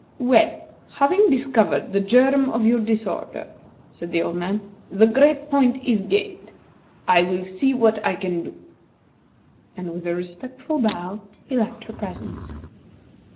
"Well, having discovered the germ of your disorder," said the old man, "the great point is gained. I will see what I can do." And with a respectful bow he left her presence.